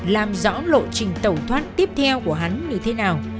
làm rõ lộ trình tẩu thoát tiếp theo của hắn như thế nào